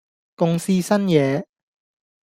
共試新嘢